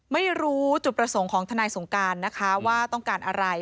ไม่รู้จุดประสงค์ของทนายสงการนะคะว่าต้องการอะไร